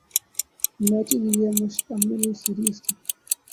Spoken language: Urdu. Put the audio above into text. میچز پہ مشتمل سیریز تھی